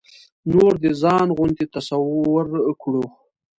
نور د ځان غوندې تصور کړو.